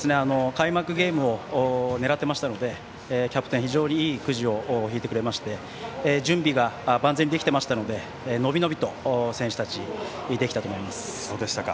開幕ゲームを狙っていましたのでキャプテンが非常にいいくじを引いてくれまして準備が万全にできていましたので伸び伸びと選手たちできたと思います。